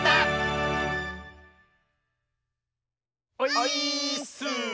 オイーッス！